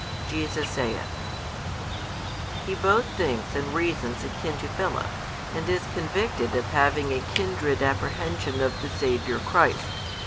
Jesus saith, He both thinks and reasons akin to Philip, and is |323 convicted of having a kindred apprehension of the Saviour Christ.